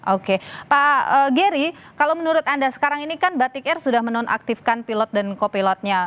oke pak geri kalau menurut anda sekarang ini kan batik air sudah menonaktifkan pilot dan kopilotnya